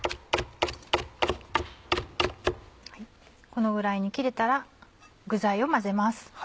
このぐらいに切れたら具材を混ぜます。